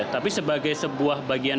tapi sebagai sebuah bagian